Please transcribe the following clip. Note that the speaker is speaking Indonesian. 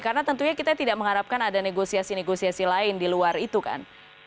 karena tentunya kita tidak mengharapkan ada negosiasi negosiasi lain di luar itu kan